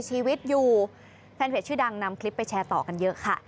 ชีวิตอยู่แฟนเพจชื่อดังนำคลิปไปแชร์ต่อกันเยอะค่ะ